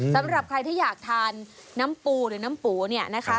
สำหรับใครที่อยากทานน้ำปูหรือน้ำปูเนี่ยนะคะ